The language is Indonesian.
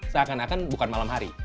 seakan akan bukan malam hari